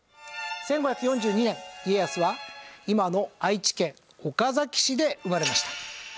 １５４２年家康は今の愛知県岡崎市で生まれました。